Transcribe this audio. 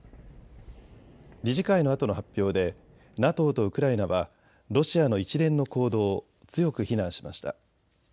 理事会のあとの発表でＮＡＴＯとウクライナはロシアの一連の行動を強く非難しました。